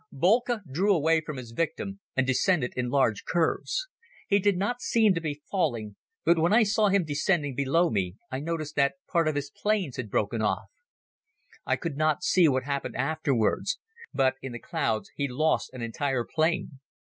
Boelcke drew away from his victim and descended in large curves. He did not seem to be falling, but when I saw him descending below me I noticed that part of his planes had broken off. I could not see what happened afterwards, but in the clouds he lost an entire plane.